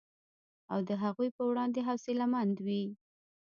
او د هغوی په وړاندې حوصله مند وي